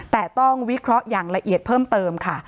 แต่ต้องวิเคราะห์อย่างละเอียดเพิ่มเติมค่ะ